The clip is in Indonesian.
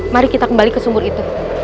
mari kita kembali ke sumur itu